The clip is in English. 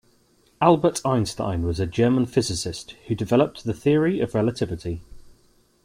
Albert Einstein was a German physicist who developed the Theory of Relativity.